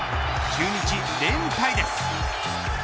中日、連敗です。